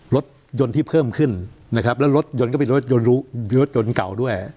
รถยนต์ที่เพิ่มขึ้นนะครับแล้วรถยนต์ก็เป็นรถยนต์รถยนต์เก่าด้วย